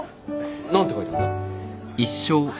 何て書いてあんだ？